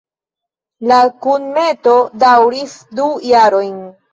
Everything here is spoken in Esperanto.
La kunmeto daŭris du jarojn.